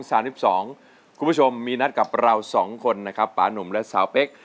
คุณผู้ชมมีนัดกับเราสองคนนะครับปานุ่มและสาวเป๊ก